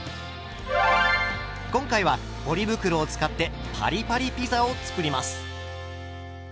今回はポリ袋を使ってパリパリピザを作ります。